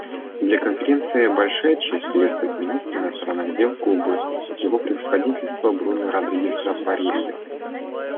Для Конференции большая честь приветствовать министра иностранных дел Кубы Его Превосходительство Бруно Родригеса Паррилью.